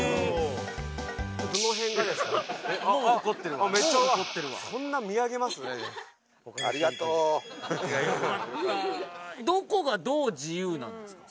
どの辺がですか？